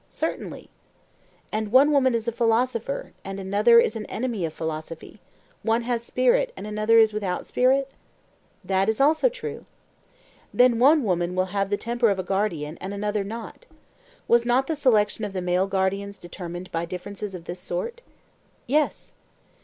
Certainly. And one woman is a philosopher, and another is an enemy of philosophy; one has spirit, and another is without spirit? That is also true. Then one woman will have the temper of a guardian, and another not. Was not the selection of the male guardians determined by differences of this sort? Yes.